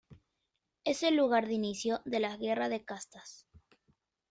Es el lugar de inicio de la Guerra de Castas.